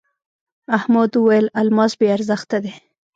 احمد وويل: الماس بې ارزښته دی.